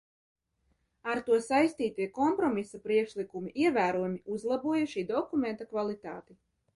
Ar to saistītie kompromisa priekšlikumi ievērojami uzlaboja šī dokumenta kvalitāti.